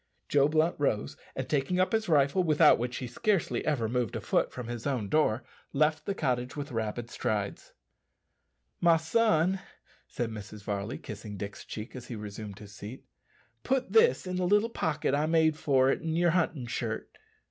Joe Blunt rose, and taking up his rifle without which he scarcely ever moved a foot from his own door left the cottage with rapid strides. "My son," said Mrs. Varley, kissing Dick's cheek as he resumed his seat, "put this in the little pocket I made for it in your hunting shirt."